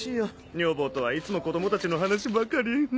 女房とはいつも子供たちの話ばかり。